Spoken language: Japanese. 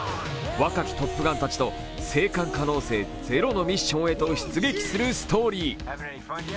若きトップガンたちの生還可能性ゼロのミッションへと出撃するストーリー。